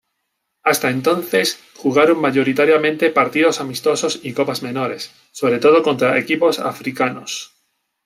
Hasta entonces, jugaron mayoritariamente partidos amistosos y copas menores, sobre todo contra equipos africanos.